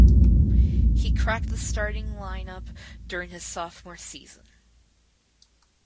He cracked the starting lineup during his sophomore season.